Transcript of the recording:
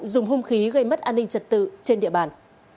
dùng hung khí gây mất an ninh trật tự trên địa bàn